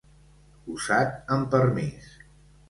Usat amb permís.